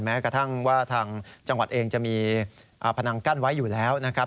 แม้กระทั่งว่าทางจังหวัดเองจะมีพนังกั้นไว้อยู่แล้วนะครับ